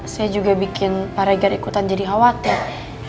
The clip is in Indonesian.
saya juga bikin paregar ikutan jadi khawatir